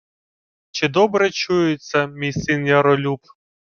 — Чи добре чується мій син Яролюб?